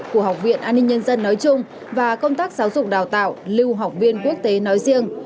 của học viện an ninh nhân dân nói chung và công tác giáo dục đào tạo lưu học viên quốc tế nói riêng